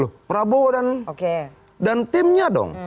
loh prabowo dan timnya dong